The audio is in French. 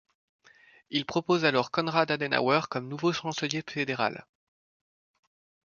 Il propose alors Konrad Adenauer comme nouveau chancelier fédéral.